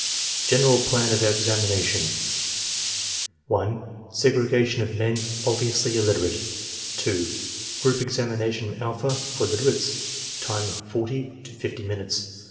GENERAL PLAN OF EXAMINATION (1) Segregation of men obviously illiterate. (2) Group examination alpha (for literates) : Time, 40 to 50 minutes.